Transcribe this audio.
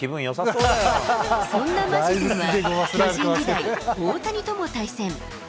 そんなマシソンは巨人時代、大谷とも対戦。